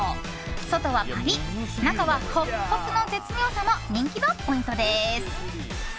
外はパリッ中はホクホクの絶妙さも人気のポイントです。